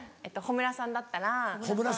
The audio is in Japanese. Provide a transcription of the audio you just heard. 「『炎』さんだったら」